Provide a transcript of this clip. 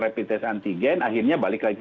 rapid test antigen akhirnya balik lagi